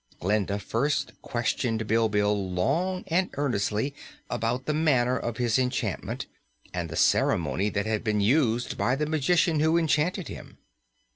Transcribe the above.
Glinda first questioned Bilbil long and earnestly about the manner of his enchantment and the ceremony that had been used by the magician who enchanted him.